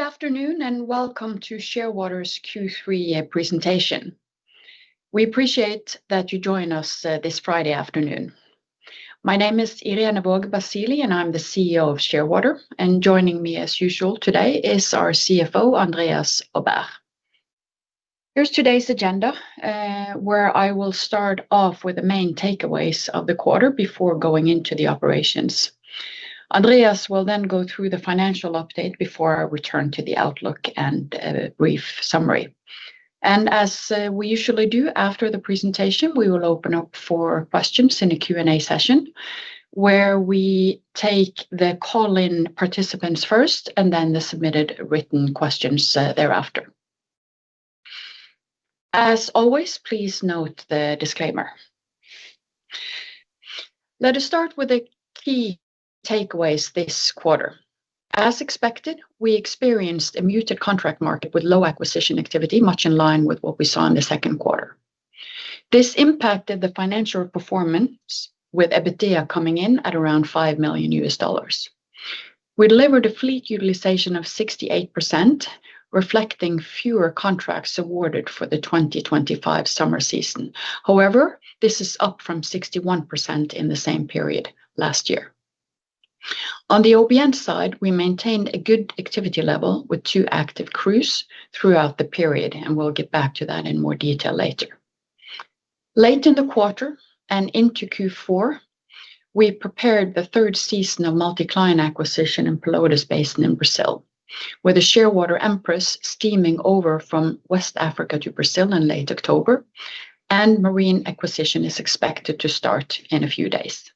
Good afternoon and welcome to Shearwater's Q3 presentation. We appreciate that you join us this Friday afternoon. My name is Irene Waage Basili, and I'm the CEO of Shearwater. Joining me, as usual today, is our CFO, Andreas Aubert. Here's today's agenda, where I will start off with the main takeaways of the quarter before going into the operations. Andreas will then go through the financial update before I return to the outlook and a brief summary. And as we usually do after the presentation, we will open up for questions in a Q&A session, where we take the call-in participants first and then the submitted written questions thereafter. As always, please note the disclaimer. Let us start with the key takeaways this quarter. As expected, we experienced a muted contract market with low acquisition activity, much in line with what we saw in the second quarter. This impacted the financial performance, with EBITDA coming in at around $5 million. We delivered a fleet utilization of 68%, reflecting fewer contracts awarded for the 2025 summer season. However, this is up from 61% in the same period last year. On the OBN side, we maintained a good activity level with two active crews throughout the period, and we'll get back to that in more detail later. Late in the quarter and into Q4, we prepared the third season of multi-client acquisition in Pelotas Basin in Brazil, with the Shearwater Empress steaming over from West Africa to Brazil in late October, and marine acquisition is expected to start in a few days.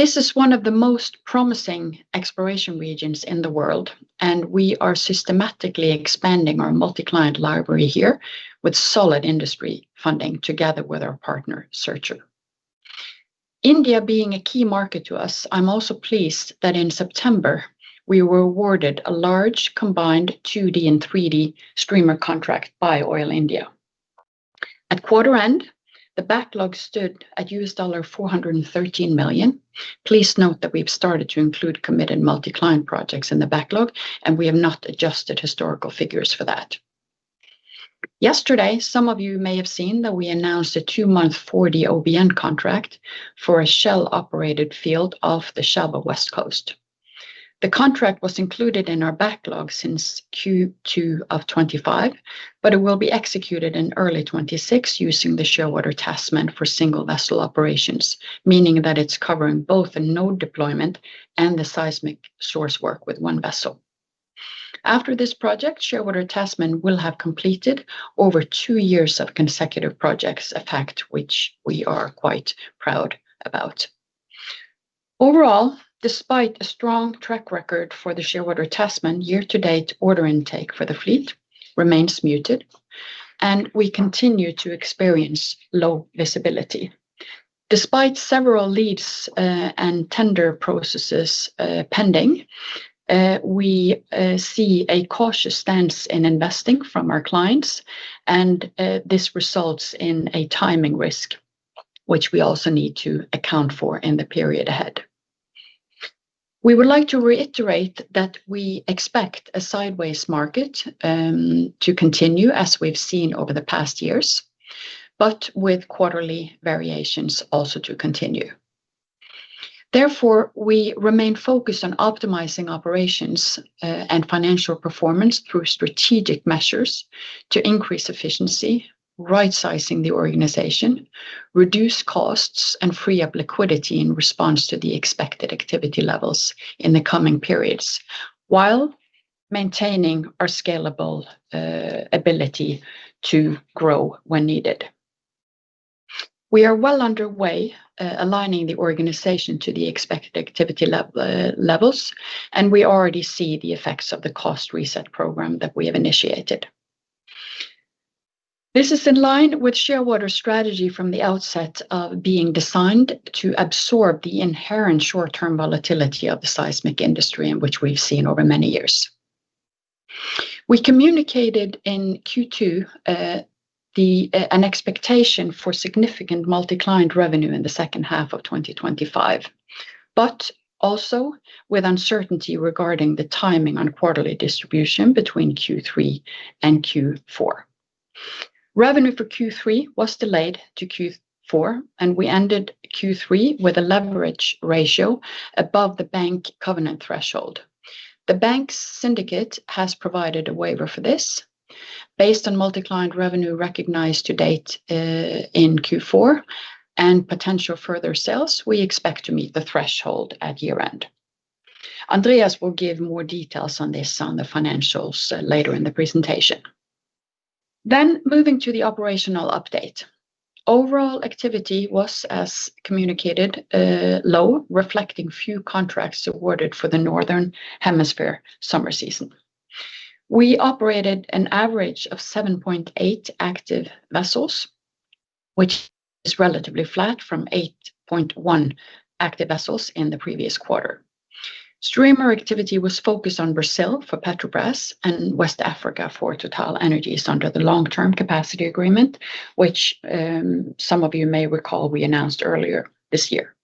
This is one of the most promising exploration regions in the world, and we are systematically expanding our multi-client library here with solid industry funding together with our partner, Searcher. India being a key market to us, I'm also pleased that in September, we were awarded a large combined 2D and 3D streamer contract by Oil India. At quarter end, the backlog stood at $413 million. Please note that we've started to include committed multi-client projects in the backlog, and we have not adjusted historical figures for that. Yesterday, some of you may have seen that we announced a two-month 4D OBN contract for a Shell-operated field off the Sabah west coast. The contract was included in our backlog since Q2 of 2025, but it will be executed in early 2026 using the Shearwater Tasman for single-vessel operations, meaning that it's covering both the node deployment and the seismic source work with one vessel. After this project, Shearwater Tasman will have completed over two years of consecutive projects, a fact which we are quite proud about. Overall, despite a strong track record for the Shearwater Tasman, year-to-date order intake for the fleet remains muted, and we continue to experience low visibility. Despite several leads and tender processes pending, we see a cautious stance in investing from our clients, and this results in a timing risk, which we also need to account for in the period ahead. We would like to reiterate that we expect a sideways market to continue, as we've seen over the past years, but with quarterly variations also to continue. Therefore, we remain focused on optimizing operations and financial performance through strategic measures to increase efficiency, right-sizing the organization, reduce costs, and free up liquidity in response to the expected activity levels in the coming periods, while maintaining our scalable ability to grow when needed. We are well underway aligning the organization to the expected activity levels, and we already see the effects of the cost reset program that we have initiated. This is in line with Shearwater's strategy from the outset of being designed to absorb the inherent short-term volatility of the seismic industry in which we've seen over many years. We communicated in Q2 an expectation for significant multi-client revenue in the second half of 2025, but also with uncertainty regarding the timing on quarterly distribution between Q3 and Q4. Revenue for Q3 was delayed to Q4, and we ended Q3 with a leverage ratio above the bank covenant threshold. The bank's syndicate has provided a waiver for this. Based on multi-client revenue recognized to date in Q4 and potential further sales, we expect to meet the threshold at year-end. Andreas will give more details on this on the financials later in the presentation. Then, moving to the operational update. Overall activity was, as communicated, low, reflecting few contracts awarded for the northern hemisphere summer season. We operated an average of 7.8 active vessels, which is relatively flat from 8.1 active vessels in the previous quarter. Streamer activity was focused on Brazil for Petrobras and West Africa for TotalEnergies under the long-term capacity agreement, which some of you may recall we announced earlier this year.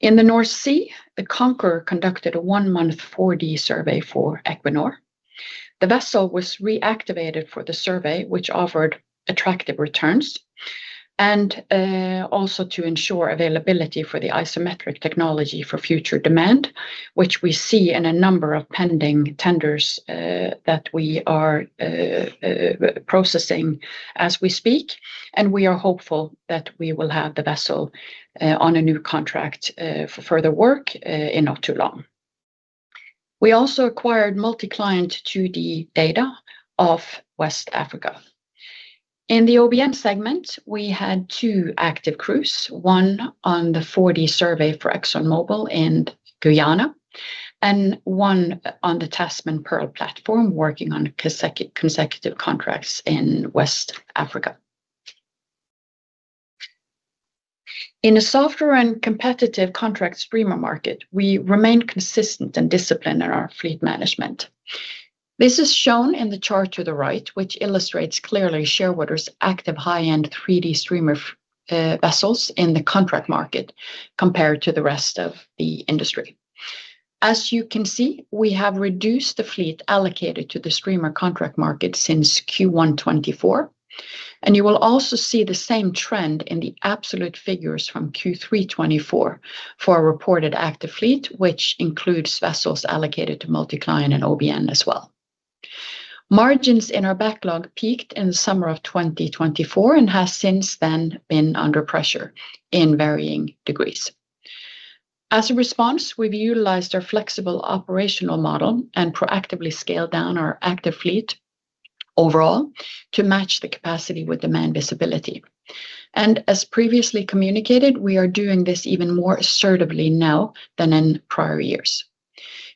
In the North Sea, the Conqueror conducted a one-month 4D survey for Equinor. The vessel was reactivated for the survey, which offered attractive returns, and also to ensure availability for the IsoMetrix technology for future demand, which we see in a number of pending tenders that we are processing as we speak. And we are hopeful that we will have the vessel on a new contract for further work in not too long. We also acquired multi-client 2D data off West Africa. In the OBN segment, we had two active crews, one on the 4D survey for ExxonMobil in Guyana and one on the Tasman Pearl platform working on consecutive contracts in West Africa. In a softer and competitive contract streamer market, we remain consistent and disciplined in our fleet management. This is shown in the chart to the right, which illustrates clearly Shearwater's active high-end 3D streamer vessels in the contract market compared to the rest of the industry. As you can see, we have reduced the fleet allocated to the streamer contract market since Q1 2024, and you will also see the same trend in the absolute figures from Q3 2024 for our reported active fleet, which includes vessels allocated to multi-client and OBN as well. Margins in our backlog peaked in the summer of 2024 and have since then been under pressure in varying degrees. As a response, we've utilized our flexible operational model and proactively scaled down our active fleet overall to match the capacity with demand visibility. And as previously communicated, we are doing this even more assertively now than in prior years.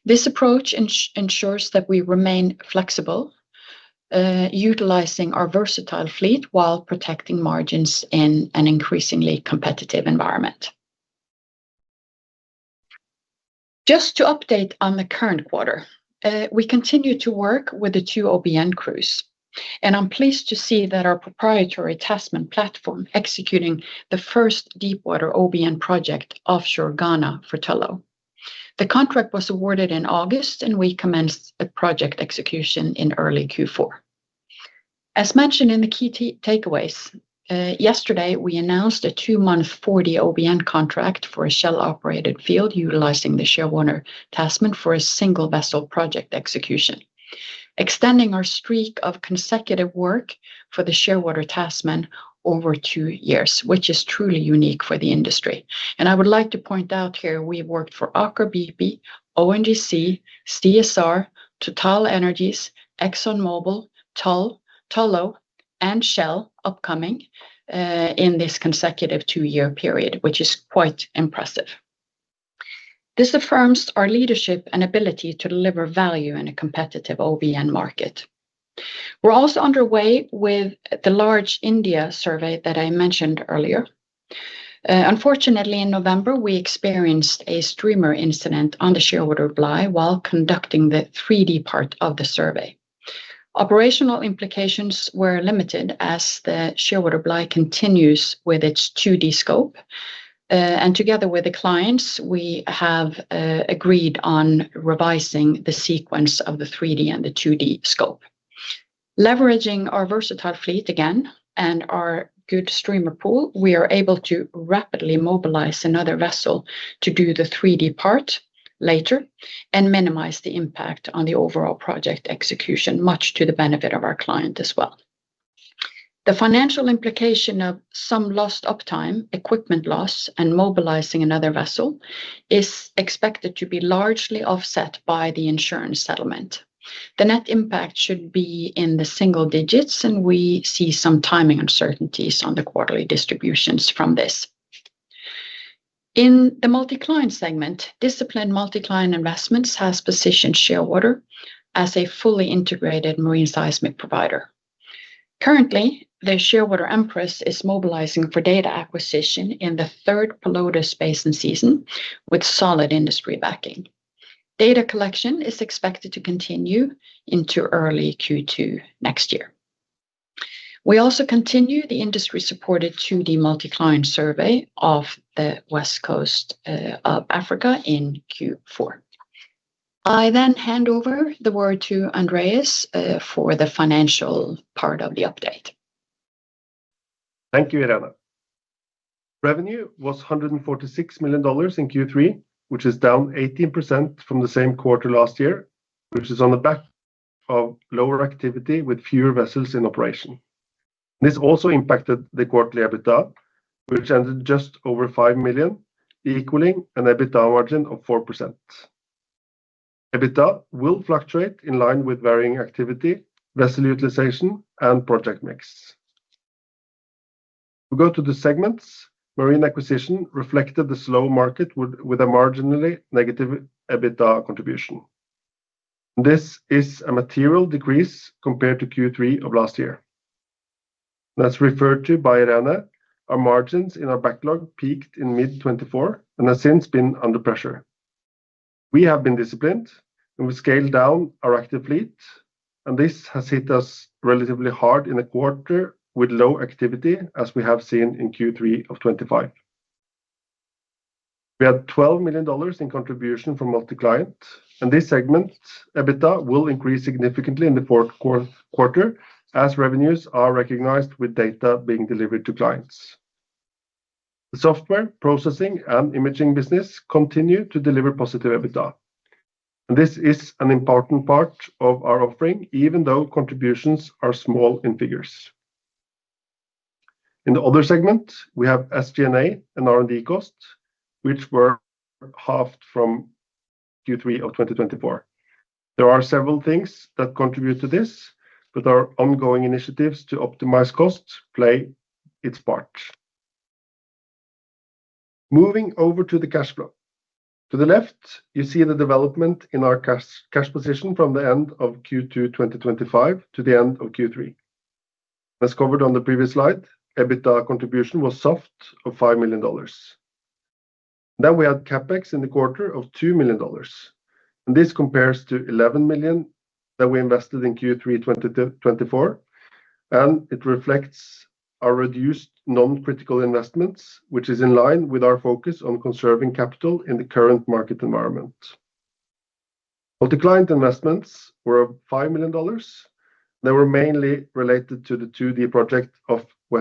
This approach ensures that we remain flexible, utilizing our versatile fleet while protecting margins in an increasingly competitive environment. Just to update on the current quarter, we continue to work with the two OBN crews, and I'm pleased to see that our proprietary Tasman platform executing the first deep-water OBN project offshore Ghana for Tullow. The contract was awarded in August, and we commenced the project execution in early Q4. As mentioned in the key takeaways, yesterday we announced a two-month 4D OBN contract for a Shell-operated field utilizing the Shearwater Tasman for a single-vessel project execution, extending our streak of consecutive work for the Shearwater Tasman over two years, which is truly unique for the industry. I would like to point out here we've worked for Aker BP, ONGC, CSR, TotalEnergies, ExxonMobil, Tullow, Tullow, and Shell upcoming in this consecutive two-year period, which is quite impressive. This affirms our leadership and ability to deliver value in a competitive OBN market. We're also underway with the large India survey that I mentioned earlier. Unfortunately, in November, we experienced a streamer incident on the Shearwater Bly while conducting the 3D part of the survey. Operational implications were limited as the Shearwater Bly continues with its 2D scope, and together with the clients, we have agreed on revising the sequence of the 3D and the 2D scope. Leveraging our versatile fleet again and our good streamer pool, we are able to rapidly mobilize another vessel to do the 3D part later and minimize the impact on the overall project execution, much to the benefit of our client as well. The financial implication of some lost uptime, equipment loss, and mobilizing another vessel is expected to be largely offset by the insurance settlement. The net impact should be in the single digits, and we see some timing uncertainties on the quarterly distributions from this. In the multi-client segment, disciplined multi-client investments has positioned Shearwater as a fully integrated marine seismic provider. Currently, the Shearwater Empress is mobilizing for data acquisition in the third Pelotas Basin season with solid industry backing. Data collection is expected to continue into early Q2 next year. We also continue the industry-supported 2D multi-client survey off the west coast of Africa in Q4. I then hand over the word to Andreas for the financial part of the update. Thank you, Irene. Revenue was $146 million in Q3, which is down 18% from the same quarter last year, which is on the back of lower activity with fewer vessels in operation. This also impacted the quarterly EBITDA, which ended just over $5 million, equaling an EBITDA margin of 4%. EBITDA will fluctuate in line with varying activity, vessel utilization, and project mix. We go to the segments. Marine acquisition reflected the slow market with a marginally negative EBITDA contribution. This is a material decrease compared to Q3 of last year. As referred to by Irene, our margins in our backlog peaked in mid-2024 and have since been under pressure. We have been disciplined, and we scaled down our active fleet, and this has hit us relatively hard in a quarter with low activity, as we have seen in Q3 of 2025. We had $12 million in contribution from multi-client, and this segment EBITDA will increase significantly in the fourth quarter as revenues are recognized with data being delivered to clients. The software processing and imaging business continue to deliver positive EBITDA, and this is an important part of our offering, even though contributions are small in figures. In the other segment, we have SG&A and R&D costs, which were halved from Q3 of 2024. There are several things that contribute to this, but our ongoing initiatives to optimize costs play its part. Moving over to the cash flow. To the left, you see the development in our cash position from the end of Q2 2025 to the end of Q3. As covered on the previous slide, EBITDA contribution was short of $5 million. Then we had CapEx in the quarter of $2 million, and this compares to $11 million that we invested in Q3 2024, and it reflects our reduced non-critical investments, which is in line with our focus on conserving capital in the current market environment. Multi-client investments were of $5 million. They were mainly related to the 2D project off West Africa. We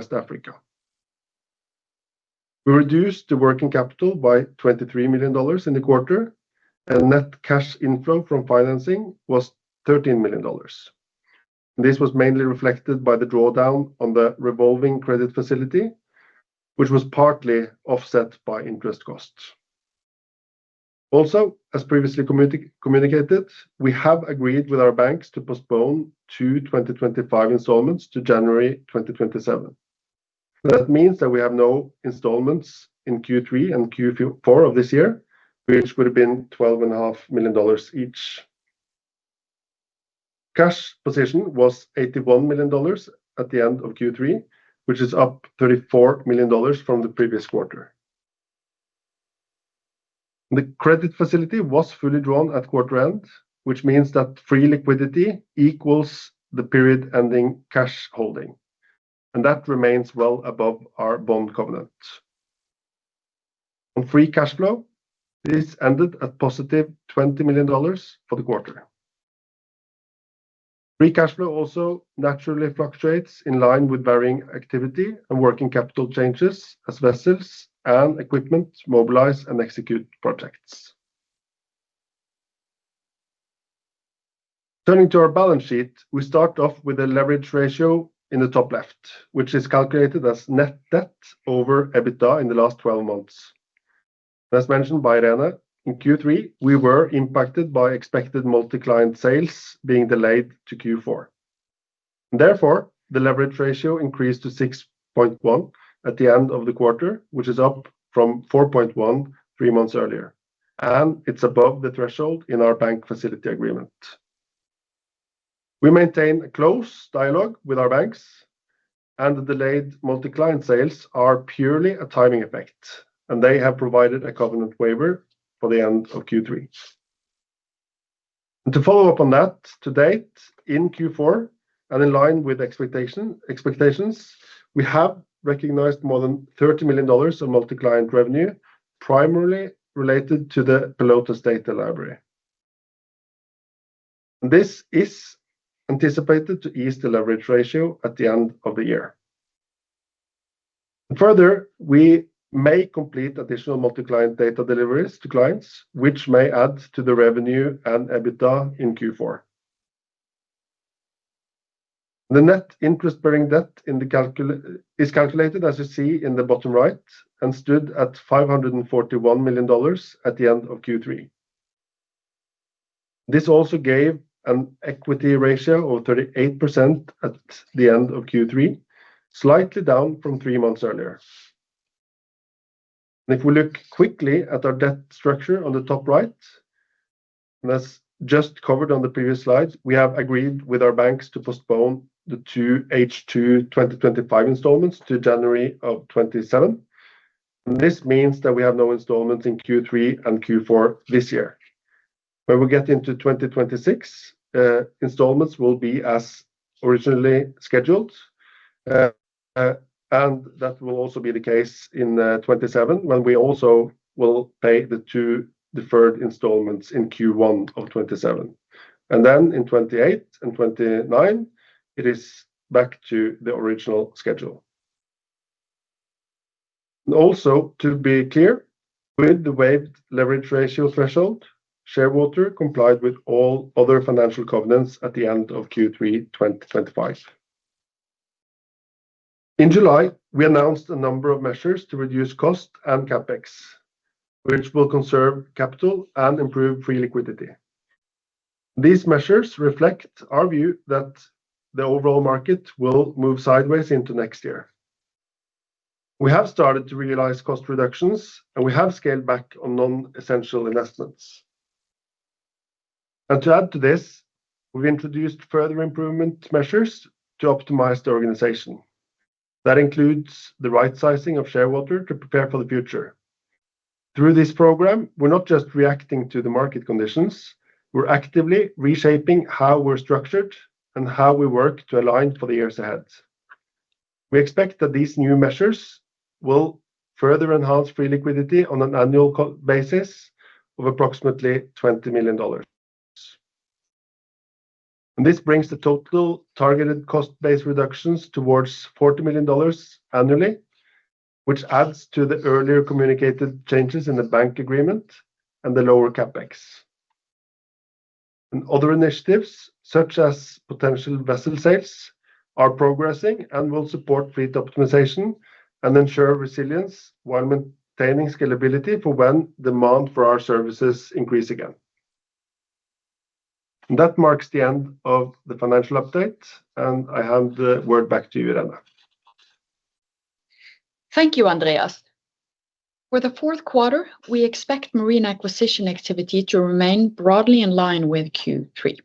reduced the working capital by $23 million in the quarter, and net cash inflow from financing was $13 million. This was mainly reflected by the drawdown on the revolving credit facility, which was partly offset by interest costs. Also, as previously communicated, we have agreed with our banks to postpone two 2025 installments to January 2027. That means that we have no installments in Q3 and Q4 of this year, which would have been $12.5 million each. Cash position was $81 million at the end of Q3, which is up $34 million from the previous quarter. The credit facility was fully drawn at quarter end, which means that free liquidity equals the period ending cash holding, and that remains well above our bond covenant. On free cash flow, this ended at positive $20 million for the quarter. Free cash flow also naturally fluctuates in line with varying activity and working capital changes as vessels and equipment mobilize and execute projects. Turning to our balance sheet, we start off with a leverage ratio in the top left, which is calculated as net debt over EBITDA in the last 12 months. As mentioned by Irene, in Q3, we were impacted by expected multi-client sales being delayed to Q4. Therefore, the leverage ratio increased to 6.1 at the end of the quarter, which is up from 4.1 three months earlier, and it's above the threshold in our bank facility agreement. We maintain a close dialogue with our banks, and the delayed multi-client sales are purely a timing effect, and they have provided a covenant waiver for the end of Q3. To follow up on that, to date, in Q4, and in line with expectations, we have recognized more than $30 million of multi-client revenue, primarily related to the Pelotas data library. This is anticipated to ease the leverage ratio at the end of the year. Further, we may complete additional multi-client data deliveries to clients, which may add to the revenue and EBITDA in Q4. The net interest-bearing debt is calculated, as you see in the bottom right, and stood at $541 million at the end of Q3. This also gave an equity ratio of 38% at the end of Q3, slightly down from three months earlier. If we look quickly at our debt structure on the top right, as just covered on the previous slide, we have agreed with our banks to postpone the two H2 2025 installments to January of 2027. This means that we have no installments in Q3 and Q4 this year. When we get into 2026, installments will be as originally scheduled, and that will also be the case in 2027, when we also will pay the two deferred installments in Q1 of 2027, and then in 2028 and 2029, it is back to the original schedule. Also, to be clear, with the waived leverage ratio threshold, Shearwater complied with all other financial covenants at the end of Q3 2025. In July, we announced a number of measures to reduce cost and CapEx, which will conserve capital and improve free liquidity. These measures reflect our view that the overall market will move sideways into next year. We have started to realize cost reductions, and we have scaled back on non-essential investments, and to add to this, we've introduced further improvement measures to optimize the organization. That includes the right sizing of Shearwater to prepare for the future. Through this program, we're not just reacting to the market conditions, we're actively reshaping how we're structured and how we work to align for the years ahead. We expect that these new measures will further enhance free liquidity on an annual basis of approximately $20 million, and this brings the total targeted cost-based reductions towards $40 million annually, which adds to the earlier communicated changes in the bank agreement and the lower CapEx, and other initiatives, such as potential vessel sales, are progressing and will support fleet optimization and ensure resilience while maintaining scalability for when demand for our services increases again. That marks the end of the financial update, and I hand the word back to you, Irene. Thank you, Andreas. For the fourth quarter, we expect marine acquisition activity to remain broadly in line with Q3,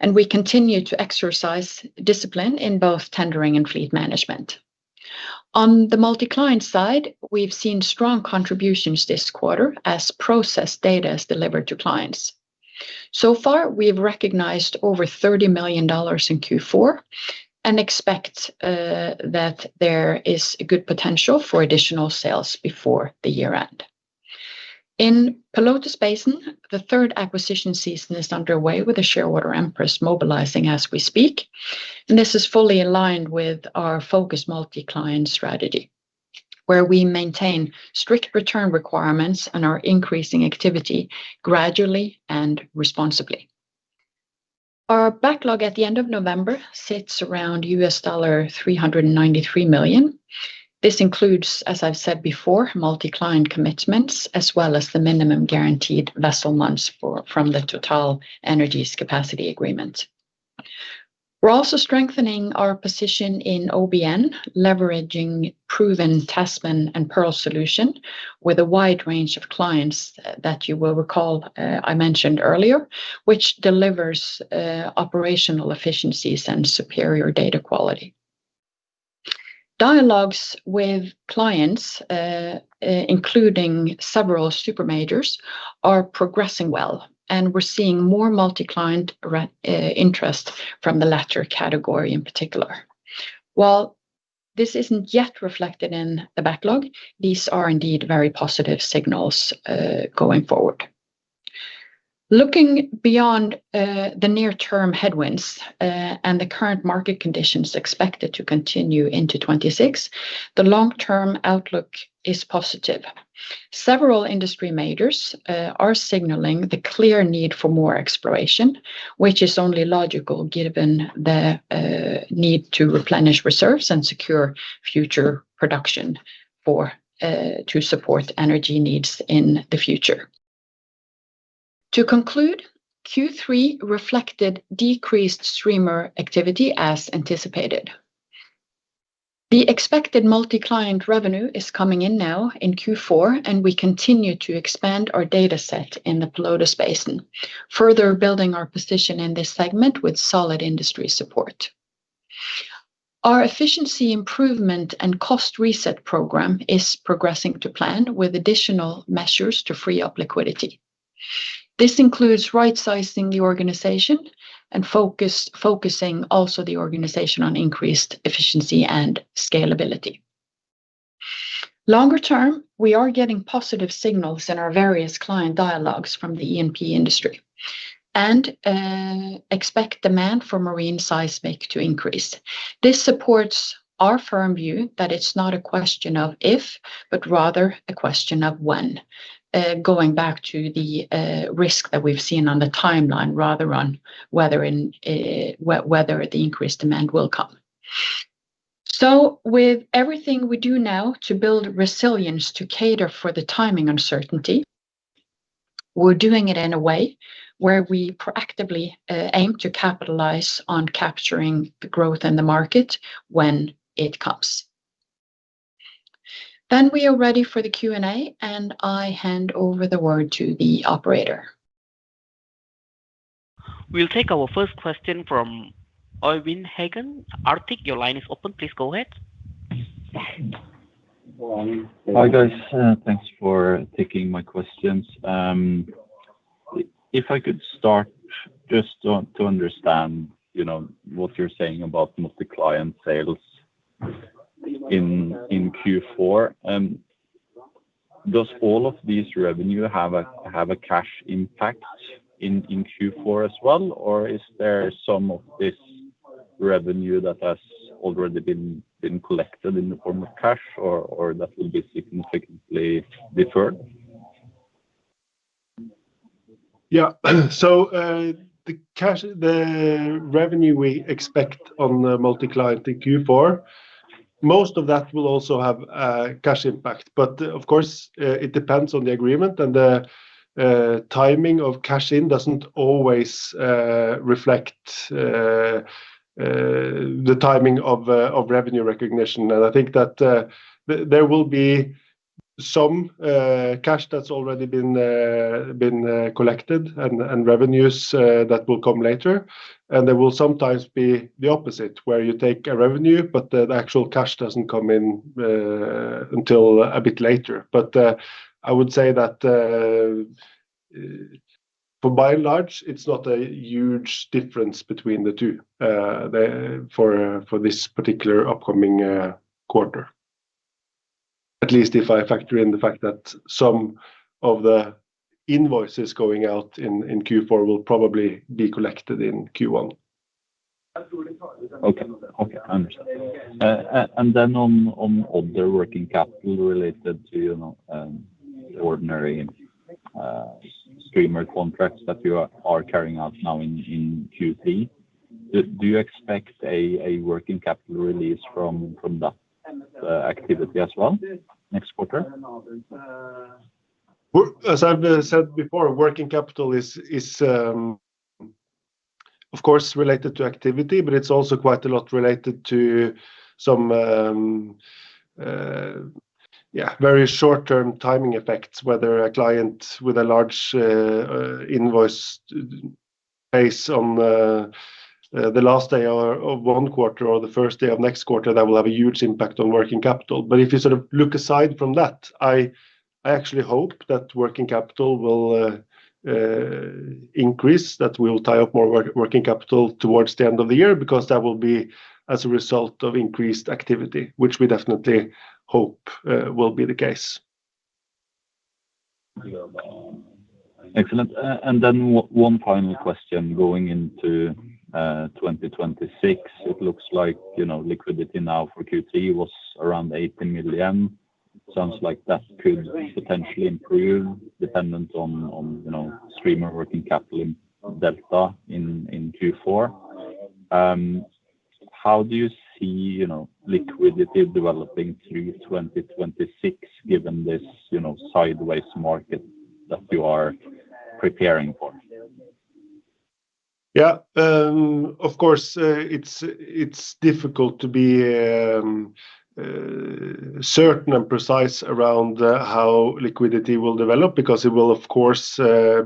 and we continue to exercise discipline in both tendering and fleet management. On the multi-client side, we've seen strong contributions this quarter as processed data is delivered to clients. So far, we've recognized over $30 million in Q4 and expect that there is good potential for additional sales before the year-end. In Pelotas Basin, the third acquisition season is underway with the Shearwater Empress mobilizing as we speak, and this is fully aligned with our focused multi-client strategy, where we maintain strict return requirements and are increasing activity gradually and responsibly. Our backlog at the end of November sits around $393 million. This includes, as I've said before, multi-client commitments as well as the minimum guaranteed vessel months from the TotalEnergies capacity agreement. We're also strengthening our position in OBN, leveraging proven Tasman and Pearl solution with a wide range of clients that you will recall I mentioned earlier, which delivers operational efficiencies and superior data quality. Dialogues with clients, including several super majors, are progressing well, and we're seeing more multi-client interest from the latter category in particular. While this isn't yet reflected in the backlog, these are indeed very positive signals going forward. Looking beyond the near-term headwinds and the current market conditions expected to continue into 2026, the long-term outlook is positive. Several industry majors are signaling the clear need for more exploration, which is only logical given the need to replenish reserves and secure future production to support energy needs in the future. To conclude, Q3 reflected decreased streamer activity as anticipated. The expected multi-client revenue is coming in now in Q4, and we continue to expand our data set in the Pelotas Basin, further building our position in this segment with solid industry support. Our efficiency improvement and cost reset program is progressing to plan with additional measures to free up liquidity. This includes right-sizing the organization and focusing also the organization on increased efficiency and scalability. Longer term, we are getting positive signals in our various client dialogues from the E&P industry and expect demand for marine seismic to increase. This supports our firm view that it's not a question of if, but rather a question of when, going back to the risk that we've seen on the timeline rather than whether the increased demand will come. So, with everything we do now to build resilience to cater for the timing uncertainty, we're doing it in a way where we proactively aim to capitalize on capturing the growth in the market when it comes. Then we are ready for the Q&A, and I hand over the word to the operator. We'll take our first question from Øyvind Hagen. Arctic, your line is open. Please go ahead. Hi, guys. Thanks for taking my questions. If I could start just to understand what you're saying about multi-client sales in Q4, does all of this revenue have a cash impact in Q4 as well, or is there some of this revenue that has already been collected in the form of cash, or that will be significantly deferred? Yeah. So, the revenue we expect on the multi-client in Q4, most of that will also have a cash impact. But, of course, it depends on the agreement, and the timing of cash in doesn't always reflect the timing of revenue recognition. And I think that there will be some cash that's already been collected and revenues that will come later. And there will sometimes be the opposite, where you take a revenue, but the actual cash doesn't come in until a bit later. But I would say that, by and large, it's not a huge difference between the two for this particular upcoming quarter, at least if I factor in the fact that some of the invoices going out in Q4 will probably be collected in Q1. Okay. I understand. And then on other working capital related to ordinary streamer contracts that you are carrying out now in Q3, do you expect a working capital release from that activity as well next quarter? As I've said before, working capital is, of course, related to activity, but it's also quite a lot related to some, yeah, very short-term timing effects, whether a client with a large invoice based on the last day of one quarter or the first day of next quarter, that will have a huge impact on working capital. But if you sort of look aside from that, I actually hope that working capital will increase, that we will tie up more working capital towards the end of the year because that will be as a result of increased activity, which we definitely hope will be the case. Excellent. And then one final question going into 2026. It looks like liquidity now for Q3 was around $80 million. Sounds like that could potentially improve dependent on streamer working capital in delta in Q4. How do you see liquidity developing through 2026 given this sideways market that you are preparing for? Yeah. Of course, it's difficult to be certain and precise around how liquidity will develop because it will, of course,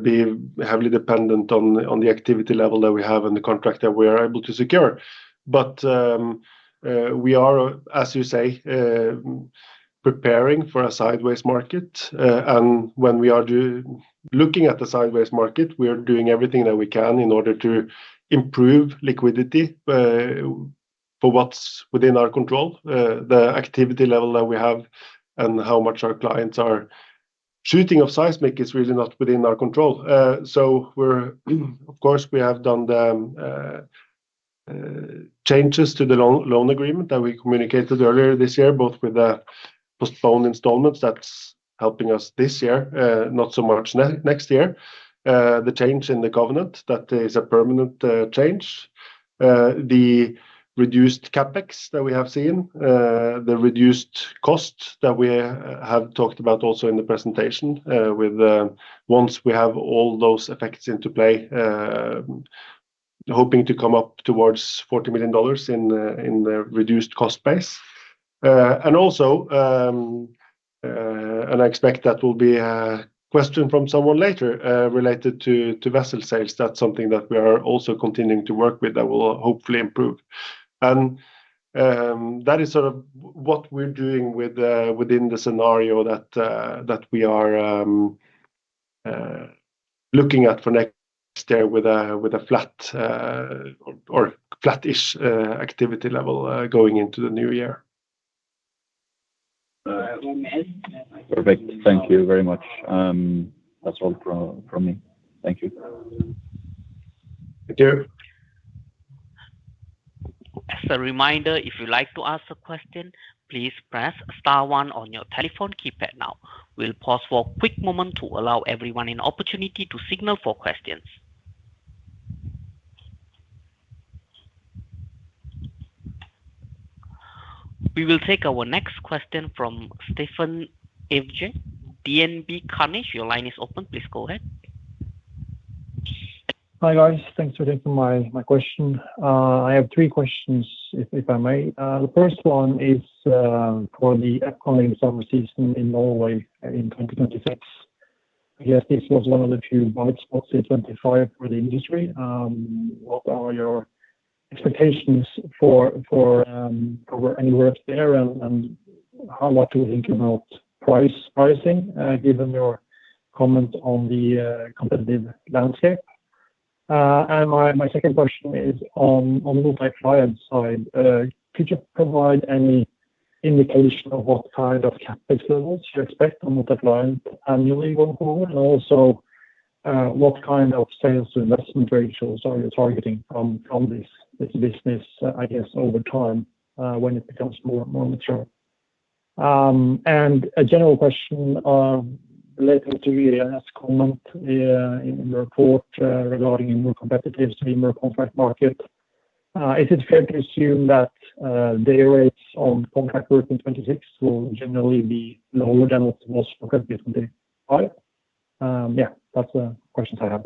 be heavily dependent on the activity level that we have and the contract that we are able to secure. But we are, as you say, preparing for a sideways market. And when we are looking at the sideways market, we are doing everything that we can in order to improve liquidity for what's within our control. The activity level that we have and how much our clients are shooting off seismic is really not within our control. So, of course, we have done the changes to the loan agreement that we communicated earlier this year, both with the postponed installments that's helping us this year, not so much next year, the change in the covenant that is a permanent change, the reduced CapEx that we have seen, the reduced cost that we have talked about also in the presentation with once we have all those effects into play, hoping to come up towards $40 million in the reduced cost base. And also, I expect that will be a question from someone later related to vessel sales. That's something that we are also continuing to work with that will hopefully improve. And that is sort of what we're doing within the scenario that we are looking at for next year with a flat or flattish activity level going into the new year. Perfect. Thank you very much. That's all from me. Thank you. Thank you. As a reminder, if you'd like to ask a question, please press star one on your telephone keypad now. We'll pause for a quick moment to allow everyone an opportunity to signal for questions. We will take our next question from Steffen Evjen, DNB Carnegie. Your line is open. Please go ahead. Hi, guys. Thanks for taking my question. I have three questions, if I may. The first one is for the upcoming summer season in Norway in 2026. I guess this was one of the few bright spots in 2025 for the industry. What are your expectations for anywhere up there, and how much do we think about pricing, given your comment on the competitive landscape? And my second question is on the multi-client side. Could you provide any indication of what kind of CapEx levels you expect on multi-client annually going forward, and also what kind of sales to investment ratios are you targeting from this business, I guess, over time when it becomes more mature? And a general question relating to Irene's comment in the report regarding more competitive streamer contract market. Is it fair to assume that day rates on contract work in 2026 will generally be lower than what was for 2025? Yeah, that's the questions I have.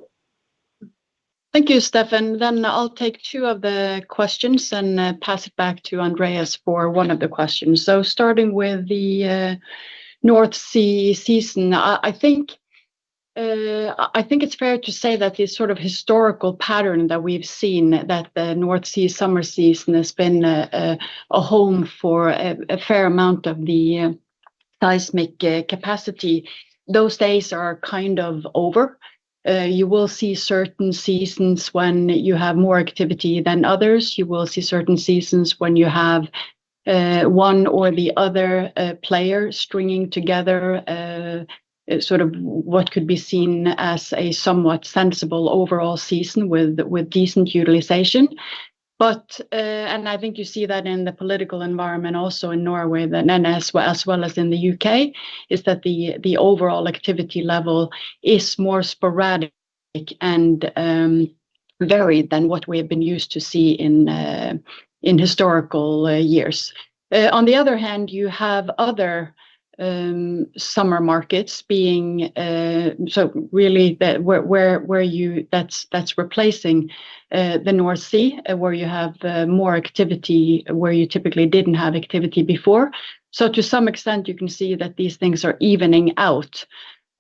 Thank you, Steffen. Then I'll take two of the questions and pass it back to Andreas for one of the questions. So, starting with the North Sea season, I think it's fair to say that the sort of historical pattern that we've seen, that the North Sea summer season has been a home for a fair amount of the seismic capacity, those days are kind of over. You will see certain seasons when you have more activity than others. You will see certain seasons when you have one or the other player stringing together sort of what could be seen as a somewhat sensible overall season with decent utilization. And I think you see that in the political environment also in Norway, as well as in the U.K., is that the overall activity level is more sporadic and varied than what we have been used to see in historical years. On the other hand, you have other southern markets being so really where that's replacing the North Sea, where you have more activity, where you typically didn't have activity before. So, to some extent, you can see that these things are evening out.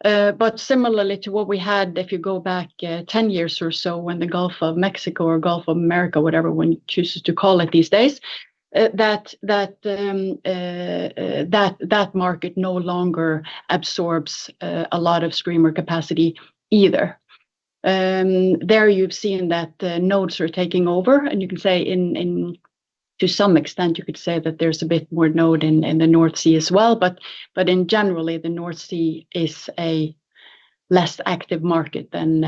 But similarly to what we had, if you go back 10 years or so when the Gulf of Mexico or Gulf of America, whatever one chooses to call it these days, that market no longer absorbs a lot of streamer capacity either. There you've seen that nodes are taking over, and you can say, to some extent, you could say that there's a bit more node in the North Sea as well. But in general, the North Sea is a less active market than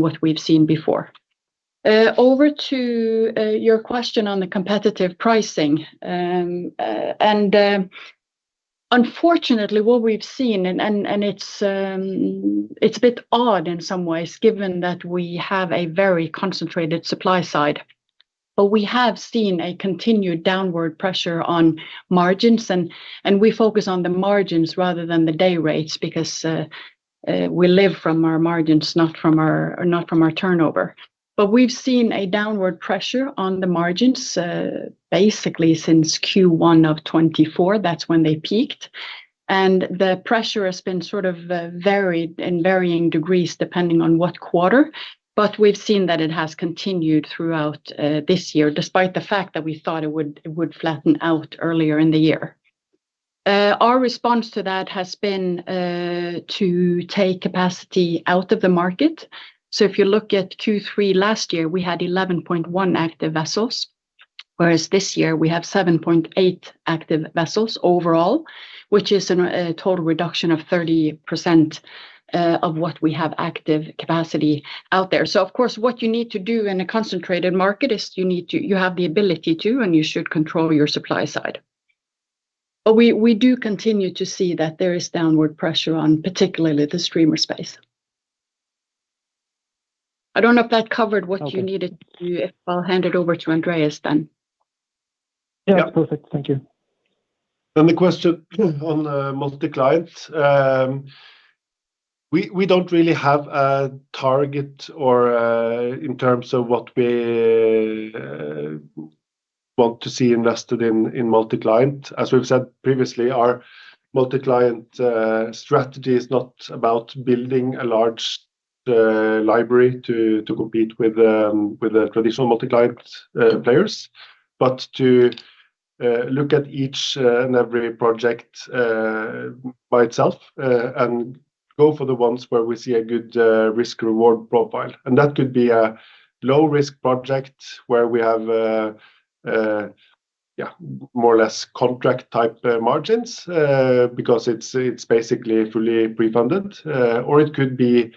what we've seen before. Over to your question on the competitive pricing. Unfortunately, what we've seen, and it's a bit odd in some ways, given that we have a very concentrated supply side, but we have seen a continued downward pressure on margins. We focus on the margins rather than the day rates because we live from our margins, not from our turnover. We've seen a downward pressure on the margins basically since Q1 of 2024. That's when they peaked. The pressure has been sort of varied in varying degrees depending on what quarter. We've seen that it has continued throughout this year, despite the fact that we thought it would flatten out earlier in the year. Our response to that has been to take capacity out of the market. So, if you look at Q3 last year, we had 11.1 active vessels, whereas this year we have 7.8 active vessels overall, which is a total reduction of 30% of what we have active capacity out there. So, of course, what you need to do in a concentrated market is you have the ability to, and you should control your supply side. But we do continue to see that there is downward pressure on particularly the streamer space. I don't know if that covered what you needed to do. If I'll hand it over to Andreas then. Yeah. Perfect. Thank you. And the question on multi-client, we don't really have a target in terms of what we want to see invested in multi-client. As we've said previously, our multi-client strategy is not about building a large library to compete with the traditional multi-client players, but to look at each and every project by itself and go for the ones where we see a good risk-reward profile. And that could be a low-risk project where we have, yeah, more or less contract-type margins because it's basically fully pre-funded. Or it could be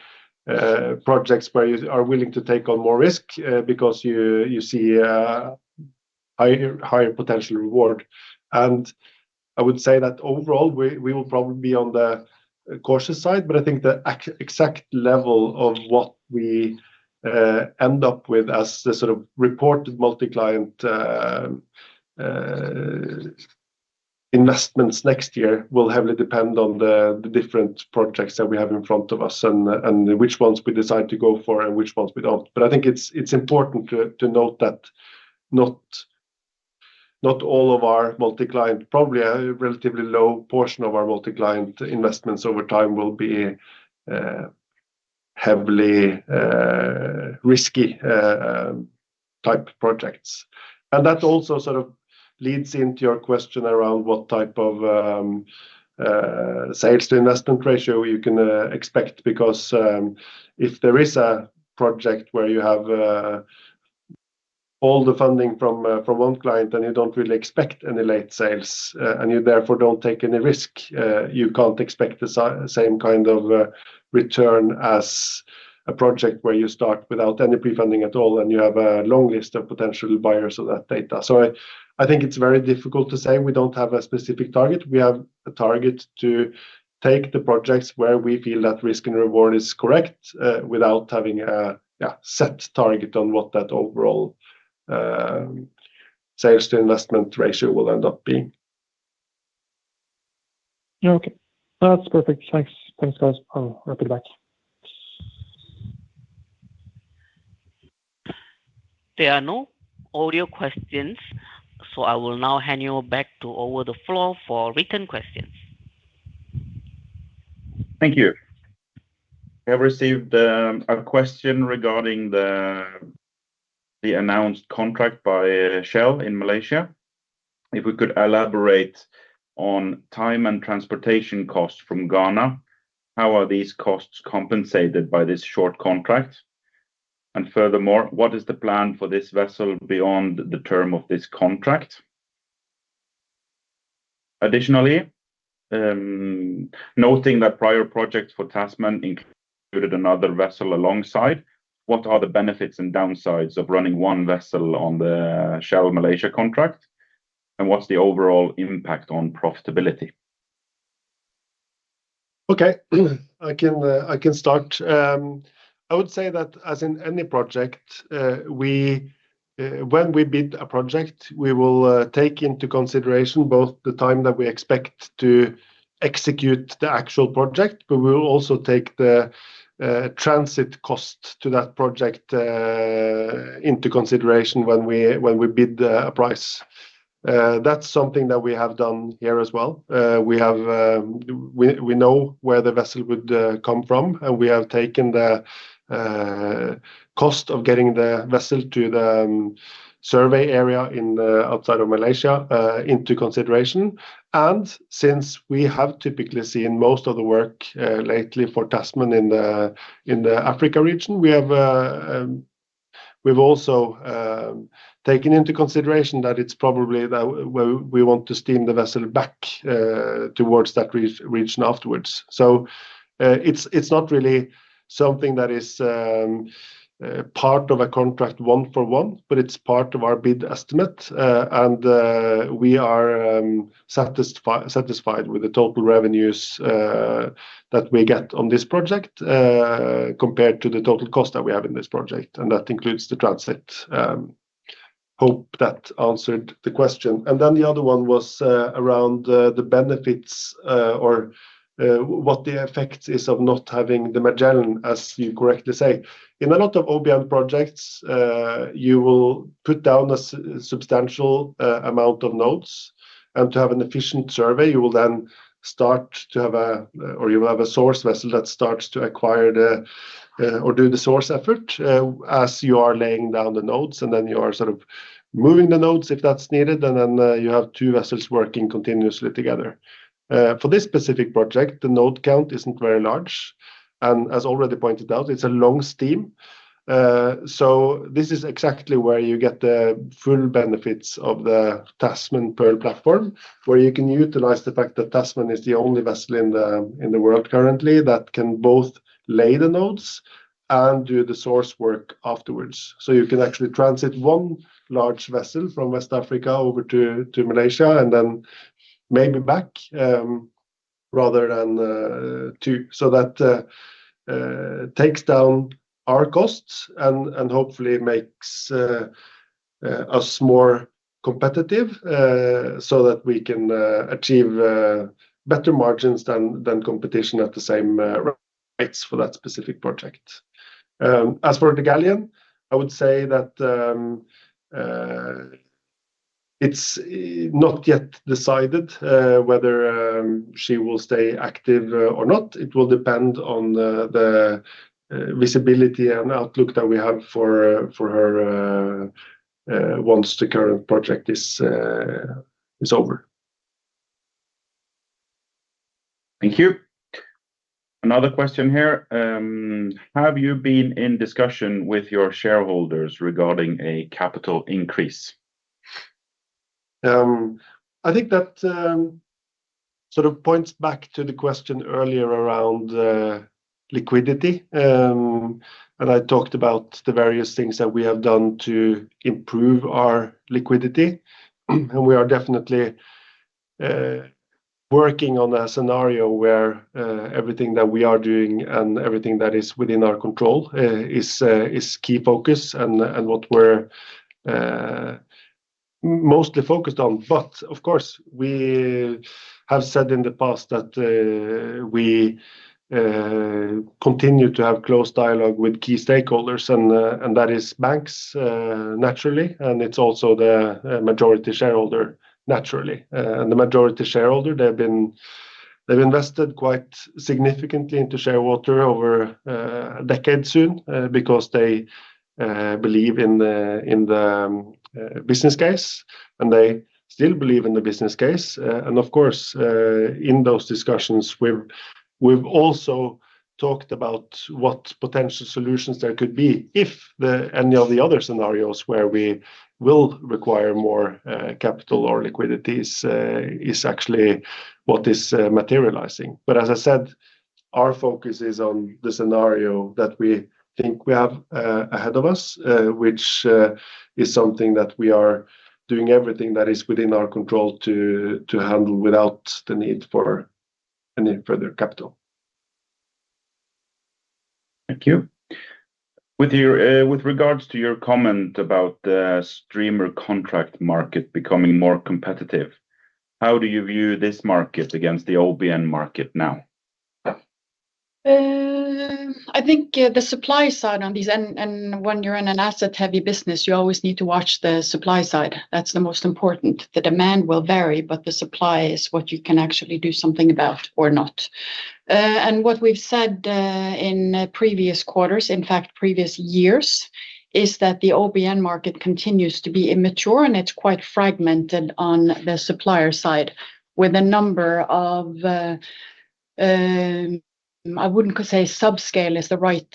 projects where you are willing to take on more risk because you see a higher potential reward. And I would say that overall, we will probably be on the cautious side, but I think the exact level of what we end up with as the sort of reported multi-client investments next year will heavily depend on the different projects that we have in front of us and which ones we decide to go for and which ones we don't. But I think it's important to note that not all of our multi-client, probably a relatively low portion of our multi-client investments over time will be heavily risky type projects. And that also sort of leads into your question around what type of sales-to-investment ratio you can expect because if there is a project where you have all the funding from one client and you don't really expect any late sales and you therefore don't take any risk, you can't expect the same kind of return as a project where you start without any pre-funding at all and you have a long list of potential buyers of that data. So I think it's very difficult to say we don't have a specific target. We have a target to take the projects where we feel that risk and reward is correct without having a set target on what that overall sales-to-investment ratio will end up being. Okay. That's perfect. Thanks. Thanks, guys. I'll wrap it back. There are no audio questions, so I will now hand you back over to the floor for written questions. Thank you. We have received a question regarding the announced contract by Shell in Malaysia. If we could elaborate on time and transportation costs from Ghana, how are these costs compensated by this short contract? And furthermore, what is the plan for this vessel beyond the term of this contract? Additionally, noting that prior projects for Tasman included another vessel alongside, what are the benefits and downsides of running one vessel on the Shell-Malaysia contract? And what's the overall impact on profitability? Okay. I can start. I would say that as in any project, when we bid a project, we will take into consideration both the time that we expect to execute the actual project, but we will also take the transit cost to that project into consideration when we bid a price. That's something that we have done here as well. We know where the vessel would come from, and we have taken the cost of getting the vessel to the survey area outside of Malaysia into consideration. And since we have typically seen most of the work lately for Tasman in the Africa region, we've also taken into consideration that it's probably that we want to steam the vessel back towards that region afterwards. So it's not really something that is part of a contract one-for-one, but it's part of our bid estimate. And we are satisfied with the total revenues that we get on this project compared to the total cost that we have in this project. And that includes the transit. Hope that answered the question. And then the other one was around the benefits or what the effect is of not having the Magellan, as you correctly say. In a lot of OBN projects, you will put down a substantial amount of nodes. And to have an efficient survey, you will then have a source vessel that starts to acquire or do the source effort as you are laying down the nodes. And then you are sort of moving the nodes if that's needed, and then you have two vessels working continuously together. For this specific project, the node count isn't very large. And as already pointed out, it's a long steam. So this is exactly where you get the full benefits of the Tasman Pearl platform, where you can utilize the fact that Tasman is the only vessel in the world currently that can both lay the nodes and do the source work afterwards. So you can actually transit one large vessel from West Africa over to Malaysia and then maybe back rather than two. So that takes down our costs and hopefully makes us more competitive so that we can achieve better margins than competition at the same rates for that specific project. As for the Gallien, I would say that it's not yet decided whether she will stay active or not. It will depend on the visibility and outlook that we have for her once the current project is over. Thank you. Another question here. Have you been in discussion with your shareholders regarding a capital increase? I think that sort of points back to the question earlier around liquidity. And I talked about the various things that we have done to improve our liquidity. And we are definitely working on a scenario where everything that we are doing and everything that is within our control is key focus and what we're mostly focused on. But of course, we have said in the past that we continue to have close dialogue with key stakeholders, and that is banks, naturally. And it's also the majority shareholder, naturally. And the majority shareholder, they've invested quite significantly into Shearwater over a decade soon because they believe in the business case, and they still believe in the business case. And of course, in those discussions, we've also talked about what potential solutions there could be if any of the other scenarios where we will require more capital or liquidity is actually what is materializing. But as I said, our focus is on the scenario that we think we have ahead of us, which is something that we are doing everything that is within our control to handle without the need for any further capital. Thank you. With regards to your comment about the streamer contract market becoming more competitive, how do you view this market against the OBN market now? I think the supply side on these, and when you're in an asset-heavy business, you always need to watch the supply side. That's the most important. The demand will vary, but the supply is what you can actually do something about or not. What we've said in previous quarters, in fact, previous years, is that the OBN market continues to be immature, and it's quite fragmented on the supplier side with a number of, I wouldn't say subscale is the right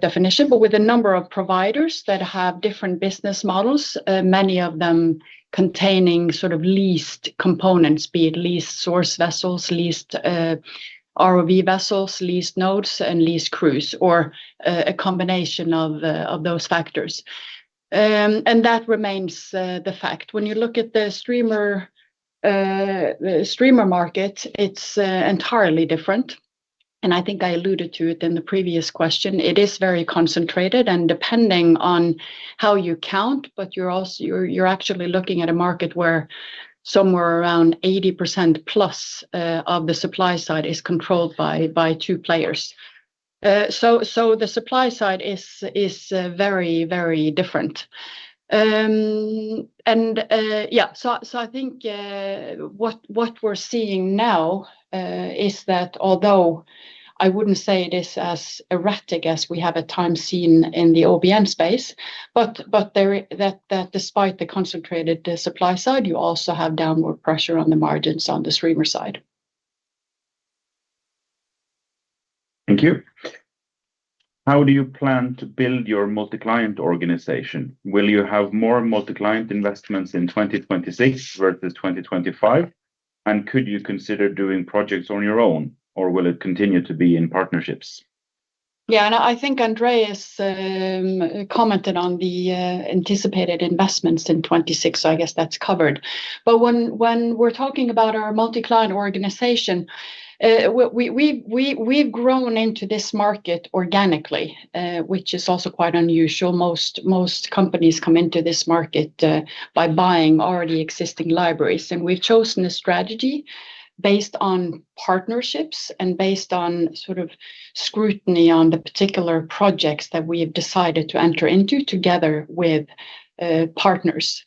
definition, but with a number of providers that have different business models, many of them containing sort of leased components, be it leased source vessels, leased ROV vessels, leased nodes, and leased crews, or a combination of those factors. That remains the fact. When you look at the streamer market, it's entirely different. I think I alluded to it in the previous question. It is very concentrated and depending on how you count, but you're actually looking at a market where somewhere around 80% plus of the supply side is controlled by two players. So the supply side is very, very different. And yeah, so I think what we're seeing now is that although I wouldn't say it is as erratic as we have at times seen in the OBN space, but that despite the concentrated supply side, you also have downward pressure on the margins on the streamer side. Thank you. How do you plan to build your multi-client organization? Will you have more multi-client investments in 2026 versus 2025? And could you consider doing projects on your own, or will it continue to be in partnerships? Yeah, and I think Andreas commented on the anticipated investments in 2026, so I guess that's covered. But when we're talking about our multi-client organization, we've grown into this market organically, which is also quite unusual. Most companies come into this market by buying already existing libraries. We've chosen a strategy based on partnerships and based on sort of scrutiny on the particular projects that we have decided to enter into together with partners.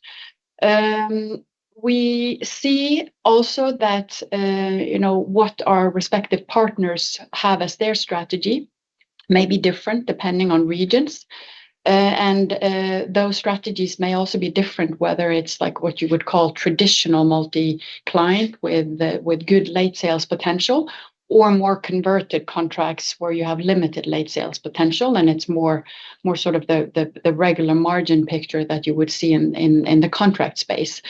We see also that what our respective partners have as their strategy may be different depending on regions. Those strategies may also be different, whether it's like what you would call traditional multi-client with good late sales potential or more converted contracts where you have limited late sales potential, and it's more sort of the regular margin picture that you would see in the contract space.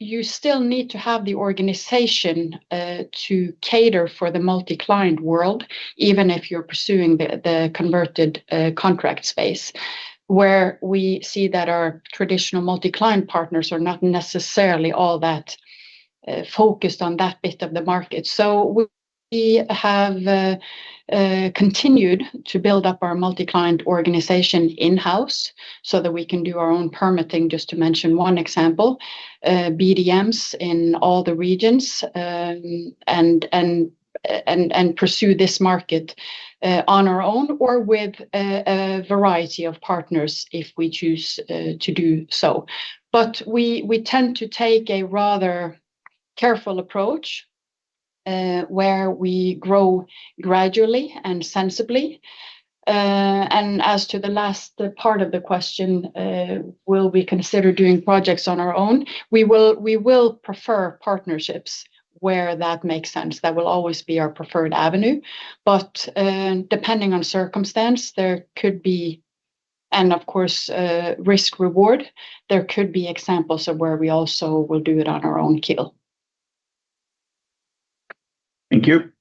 You still need to have the organization to cater for the multi-client world, even if you're pursuing the converted contract space, where we see that our traditional multi-client partners are not necessarily all that focused on that bit of the market. We have continued to build up our multi-client organization in-house so that we can do our own permitting, just to mention one example, BDMs in all the regions, and pursue this market on our own or with a variety of partners if we choose to do so. But we tend to take a rather careful approach where we grow gradually and sensibly. As to the last part of the question, will we consider doing projects on our own? We will prefer partnerships where that makes sense. That will always be our preferred avenue. But depending on circumstance, there could be, and of course, risk-reward, there could be examples of where we also will do it on our own keel. Thank you.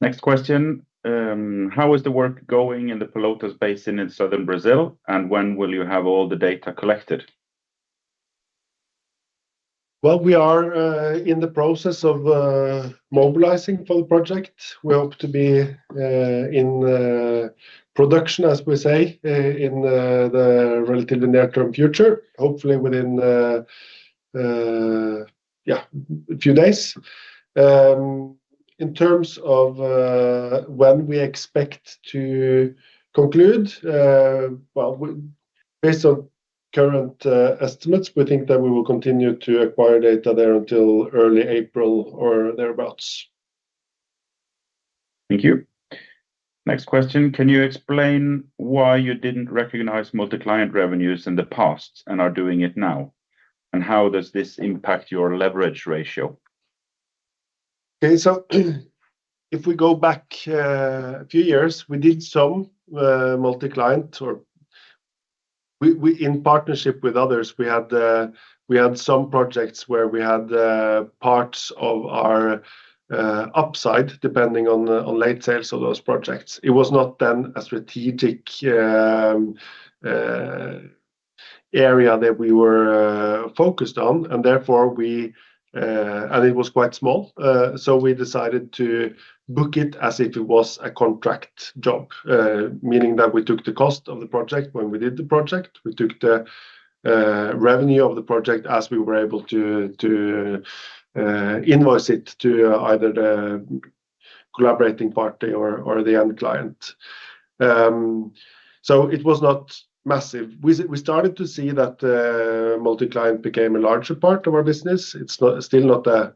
Next question. How is the work going in the Pelotas Basin in southern Brazil, and when will you have all the data collected? We are in the process of mobilizing for the project. We hope to be in production, as we say, in the relatively near-term future, hopefully within, yeah, a few days. In terms of when we expect to conclude, well, based on current estimates, we think that we will continue to acquire data there until early April or thereabouts. Thank you. Next question. Can you explain why you didn't recognize multi-client revenues in the past and are doing it now? And how does this impact your leverage ratio? Okay. So if we go back a few years, we did some multi-client or in partnership with others, we had some projects where we had parts of our upside depending on late sales of those projects. It was not then a strategic area that we were focused on. Therefore, and it was quite small, so we decided to book it as if it was a contract job, meaning that we took the cost of the project when we did the project. We took the revenue of the project as we were able to invoice it to either the collaborating party or the end client. So it was not massive. We started to see that multi-client became a larger part of our business. It's still not a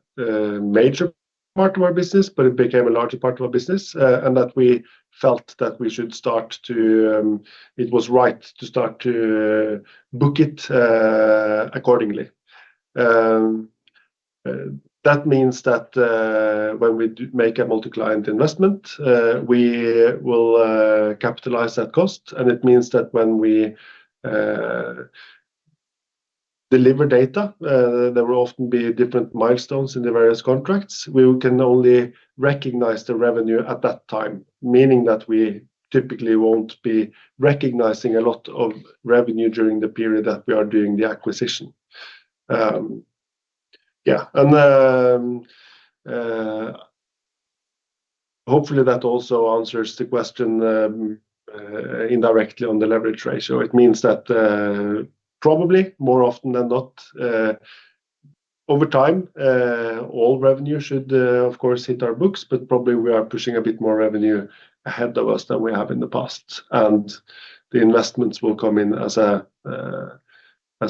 major part of our business, but it became a larger part of our business. And that we felt that we should start to, it was right to start to book it accordingly. That means that when we make a multi-client investment, we will capitalize that cost. And it means that when we deliver data, there will often be different milestones in the various contracts. We can only recognize the revenue at that time, meaning that we typically won't be recognizing a lot of revenue during the period that we are doing the acquisition. Yeah, and hopefully that also answers the question indirectly on the leverage ratio. It means that probably more often than not, over time, all revenue should, of course, hit our books, but probably we are pushing a bit more revenue ahead of us than we have in the past. The investments will come in as an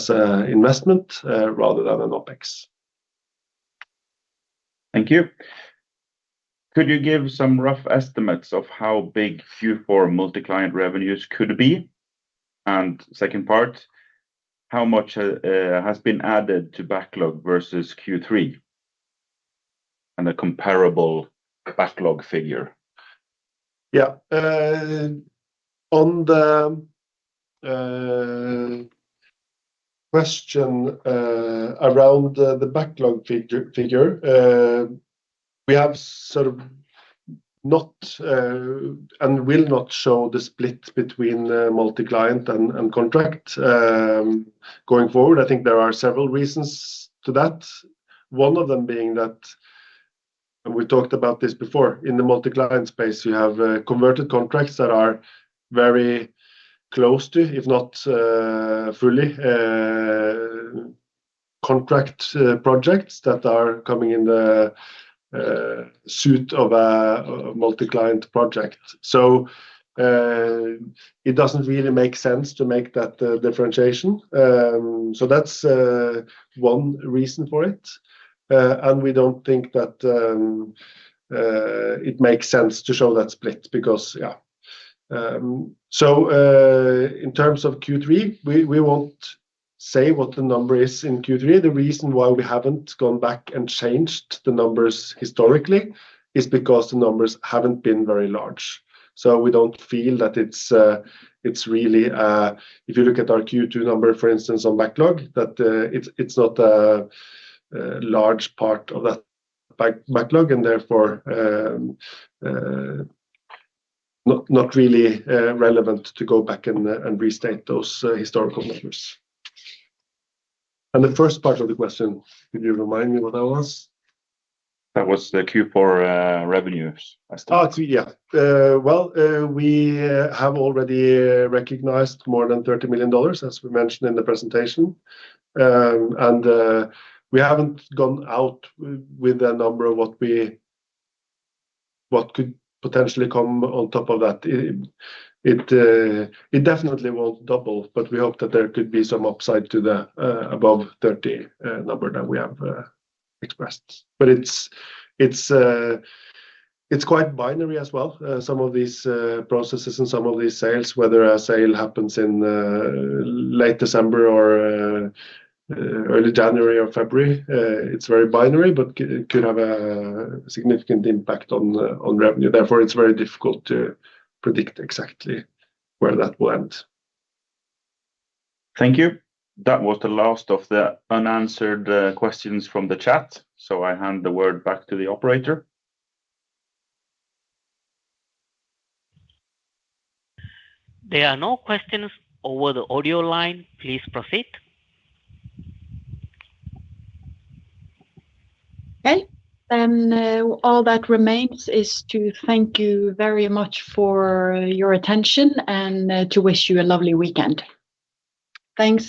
investment rather than an OpEx. Thank you. Could you give some rough estimates of how big Q4 multi-client revenues could be? And second part, how much has been added to backlog versus Q3? And a comparable backlog figure. Yeah. On the question around the backlog figure, we have sort of not and will not show the split between multi-client and contract going forward. I think there are several reasons to that. One of them being that, and we talked about this before, in the multi-client space, you have converted contracts that are very close to, if not fully, contract projects that are coming in the suite of a multi-client project. So it doesn't really make sense to make that differentiation. So that's one reason for it. And we don't think that it makes sense to show that split because, yeah. So in terms of Q3, we won't say what the number is in Q3. The reason why we haven't gone back and changed the numbers historically is because the numbers haven't been very large. So we don't feel that it's really, if you look at our Q2 number, for instance, on backlog, that it's not a large part of that backlog, and therefore not really relevant to go back and restate those historical numbers. And the first part of the question, could you remind me what that was? That was the Q4 revenues. Yeah. Well, we have already recognized more than $30 million, as we mentioned in the presentation. And we haven't gone out with a number of what could potentially come on top of that. It definitely won't double, but we hope that there could be some upside to the above 30 number that we have expressed. But it's quite binary as well. Some of these processes and some of these sales, whether a sale happens in late December or early January or February, it's very binary, but it could have a significant impact on revenue. Therefore, it's very difficult to predict exactly where that will end. Thank you. That was the last of the unanswered questions from the chat. So I hand the word back to the operator. There are no questions over the audio line. Please proceed. Okay. And all that remains is to thank you very much for your attention and to wish you a lovely weekend. Thanks.